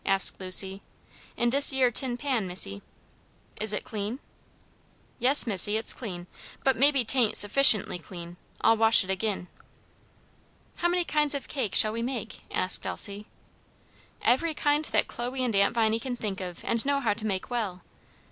asked Lucy. "In dis yere tin pan, missy." "Is it clean?" "Yes, missy, it's clean; but maybe 'taint suffishently clean, I'll wash it agin." "How many kinds of cake shall we make?" asked Elsie. "Every kind that Chloe and Aunt Viney can think of and know how to make well.